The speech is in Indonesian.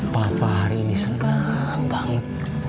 papa hari ini senang banget